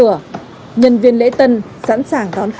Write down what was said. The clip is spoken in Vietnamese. thế không dùng gì năm trăm năm mươi nhỉ